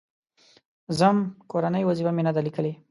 _ځم، کورنۍ وظيفه مې نه ده ليکلې.